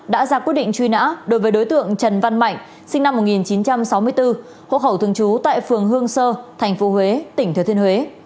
đã ra quyết định truy nã đối với đối tượng trần văn mạnh sinh năm một nghìn chín trăm sáu mươi bốn hộ khẩu thường trú tại phường hương sơ tp huế tỉnh thừa thiên huế